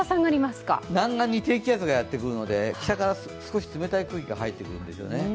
南岸に低気圧がやってくるので、北から冷たい空気が入ってくるんですね。